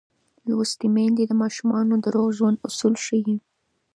لوستې میندې د ماشومانو د روغ ژوند اصول ښيي.